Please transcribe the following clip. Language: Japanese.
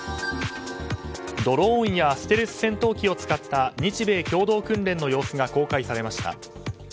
ドローンやステルス戦闘機を使った日米共同訓練の様子が公開されました。